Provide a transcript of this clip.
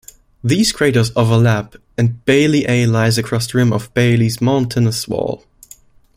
These craters overlap, and Bailly A lies across the rim of Bailly's mountainous wall.